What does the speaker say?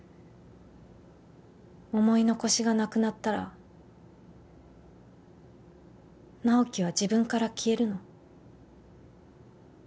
思い残しがなくなったら直木は自分から消えるの？